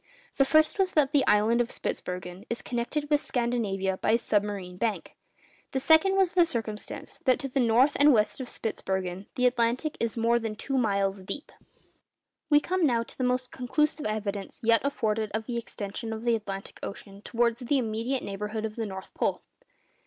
The first was that the island of Spitzbergen is connected with Scandinavia by a submarine bank; the second was the circumstance that to the north and west of Spitzbergen the Atlantic is more than two miles deep! We come now to the most conclusive evidence yet afforded of the extension of the Atlantic Ocean towards the immediate neighbourhood of the North Pole.